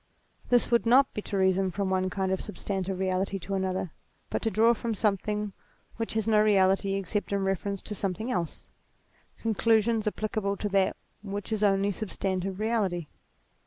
This would not be to reason from one kind of substantive reality to another, but to draw from something which has no reality except in reference to something else, conclusions applicable to that which is the only substantive reality.